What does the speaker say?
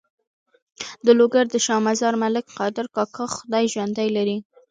د لوګر د شا مزار ملک قادر کاکا خدای ژوندی لري.